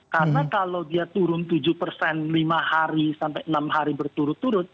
karena kalau dia turun tujuh persen lima hari sampai enam hari berturut turut